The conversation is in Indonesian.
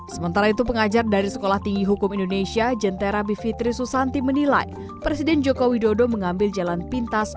sementara itu pengajar dari sekolah tinggi hukum indonesia jentera bivitri susanti menilai presiden joko widodo mengambil jalan pintas